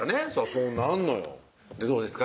そうなんのよどうですか？